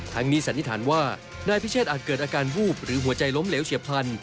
นี้สันนิษฐานว่านายพิเชษอาจเกิดอาการวูบหรือหัวใจล้มเหลวเฉียบพลัน